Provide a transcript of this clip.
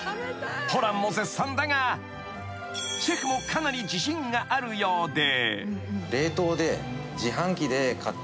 ［ホランも絶賛だがシェフもかなり自信があるようで］